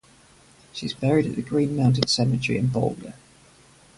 She is buried at the Green Mountain Cemetery in Boulder.